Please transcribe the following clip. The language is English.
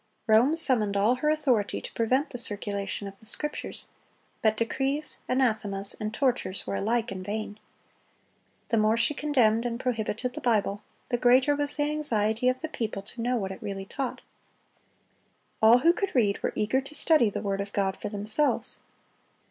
Rome summoned all her authority to prevent the circulation of the Scriptures; but decrees, anathemas, and tortures were alike in vain. The more she condemned and prohibited the Bible, the greater was the anxiety of the people to know what it really taught. All who could read were eager to study the word of God for themselves.